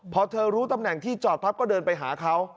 พอเธอรู้ตำแหน่งที่จอดปั๊บก็เดินไปหาเขา